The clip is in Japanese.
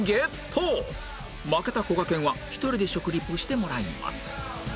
負けたこがけんは１人で食リポしてもらいます